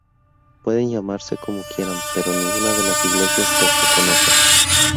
Pueden llamarse como quieran, pero ninguna de las Iglesias los reconoce".